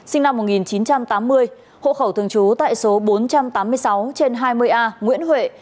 sinh năm một nghìn chín trăm tám mươi hộ khẩu thường trú tại số bốn trăm tám mươi sáu trên hai mươi a nguyễn huệ